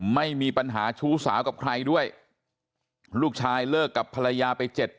ไม่มีปัญหาชู้สาวกับใครด้วยลูกชายเลิกกับภรรยาไปเจ็ด